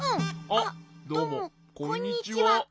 あっどうもこんにちは。